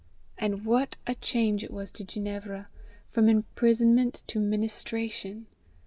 And what a change it was to Ginevra from imprisonment to ministration!